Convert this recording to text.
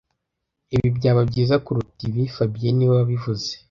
Ibi byaba byiza kuruta ibi fabien niwe wabivuze